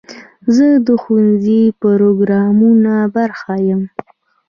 زه د ښوونځي د پروګرامونو برخه یم.